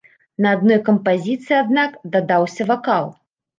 На адной кампазіцыі, аднак, дадаўся вакал.